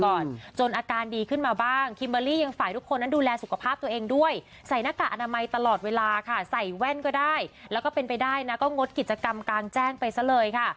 ก่อนจนอาการดีขึ้นมาบ้างคิมเบอร์รี่ยังฝ่ายทุกคนนั้นดูแลสุขภาพตัวเองด้วยใส่หน้ากากอนามัยตลอดเวลาค่ะใส่แว่นก็ได้แล้วก็เป็นไปได้นะก็งดกิจกรรมกลางแจ้งไปซะเลยค่ะ